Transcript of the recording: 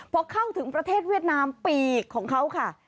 พอเข้าถึงประเทศเวียดนามปีกของเขาค่ะ